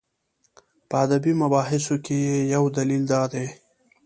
په ادبي مباحثو کې یې یو دلیل دا دی.